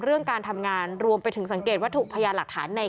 เรื่องการทำงานรวมไปถึงสังเกตวัตถุพยานหลักฐานใน